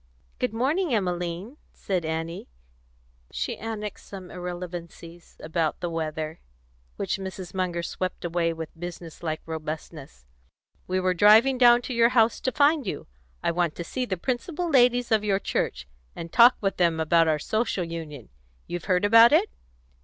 "Good morning, Emmeline," said Annie; she annexed some irrelevancies about the weather, which Mrs. Munger swept away with business like robustness. "We were driving down to your house to find you. I want to see the principal ladies of your church, and talk with them about our Social Union. You've heard about it?"